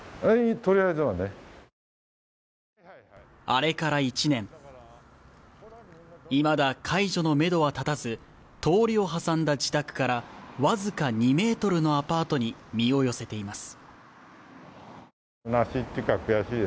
あれから１年未だ解除のめどは立たず通りを挟んだ自宅からわずか２メートルのアパートに身を寄せています